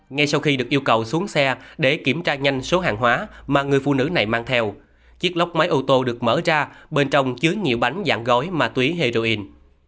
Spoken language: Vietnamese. ngay sau khi được yêu cầu xuống xe để kiểm tra nhanh số hàng hóa mà người phụ nữ này mang theo chiếc lóc máy ô tô được mở ra bên trong chứa nhiều bánh dạng gói ma túy heroin